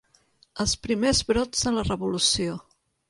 Els primers brots de la revolució.